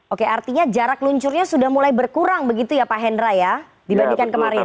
oke artinya jarak luncurnya sudah mulai berkurang begitu ya pak hendra ya dibandingkan kemarin